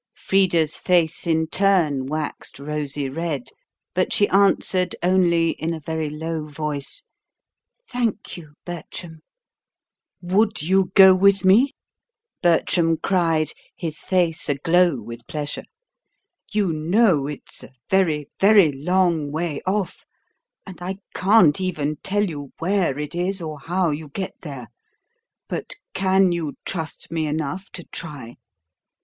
Frida's face in turn waxed rosy red; but she answered only in a very low voice: "Thank you, Bertram." "Would you go with me?" Bertram cried, his face aglow with pleasure. "You know, it's a very, very long way off; and I can't even tell you where it is or how you get there. But can you trust me enough to try?